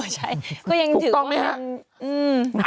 ใช่ก็ยังถือว่าถูกต้องไหมครับ